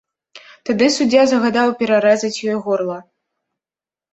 Тады суддзя загадаў перарэзаць ёй горла.